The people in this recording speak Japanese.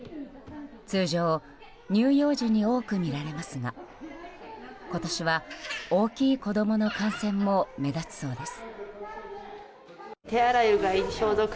通常、乳幼児に多く見られますが今年は、大きい子供の感染も目立つそうです。